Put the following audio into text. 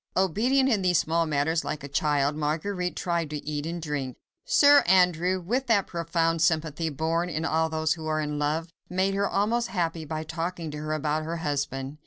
Obedient in these small matters like a child, Marguerite tried to eat and drink. Sir Andrew, with that profound sympathy born in all those who are in love, made her almost happy by talking to her about her husband.